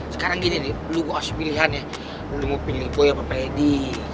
sekarang gini deh lo gue kasih pilihan ya lo mau pilih gue apa pak edi